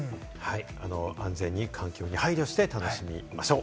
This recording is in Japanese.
安全に配慮して楽しみましょう。